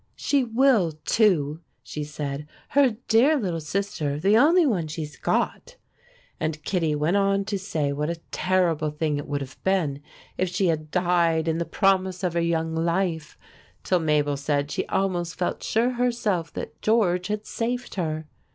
"She will, too," she said. "Her dear little sister the only one she's got." And Kittie went on to say what a terrible thing it would have been if she had died in the promise of her young life, till Mabel said she almost felt sure herself that George had saved her.